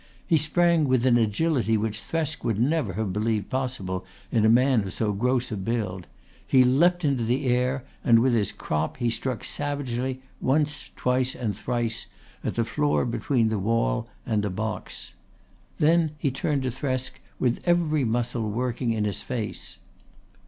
He sprang with an agility which Thresk would never have believed possible in a man of so gross a build. He leapt into the air and with his crop he struck savagely once, twice and thrice at the floor between the wall and the box. Then he turned to Thresk with every muscle working in his face.